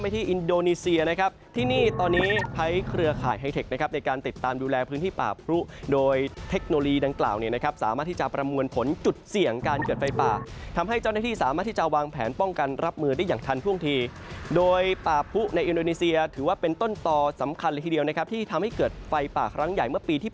ตอนนี้ไพเครือข่ายไฮเทคในการติดตามดูแลพื้นที่ป่าผู้โดยเทคโนโลยีดังกล่าวสามารถที่จะประมวลผลจุดเสี่ยงการเกิดไฟป่าทำให้เจ้าหน้าที่สามารถที่จะวางแผนป้องกันรับมือได้อย่างทันท่วงทีโดยป่าผู้ในอินโดนีเซียถือว่าเป็นต้นต่อสำคัญทีเดียวที่ทำให้เกิดไฟป่าครั้งใหญ่เมื่อปี